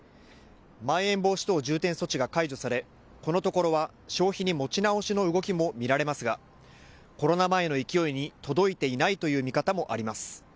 まん延防止等重点措置が解除されこのところは消費に持ち直しの動きも見られますがコロナ前の勢いに届いていないという見方もあります。